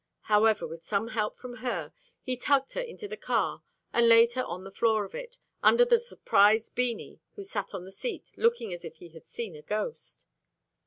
However, with some help from her, he tugged her into the car and laid her on the floor of it, under the surprised Beanie who sat on the seat looking as if he had seen a ghost.